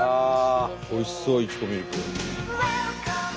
おいしそういちごミルク。